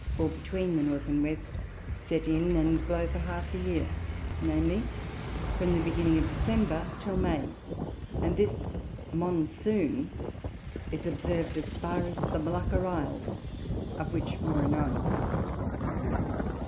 or between the North and West, set in and blow for half the Year, viz. from the beginning of December till May; and this Monsoon is observ'd as far as the Molucca Isles, of which more anon.